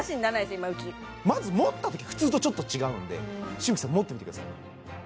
まず持ったとき普通とちょっと違うんで紫吹さん持ってみてください